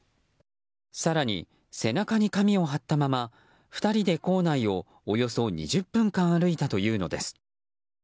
更に、背中に紙を貼ったまま２人で校内をおよそ２０分間歩いたというのです。